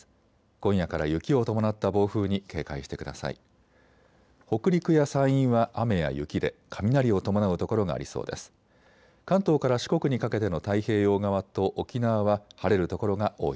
今夜から雪を伴った暴風に警戒してください。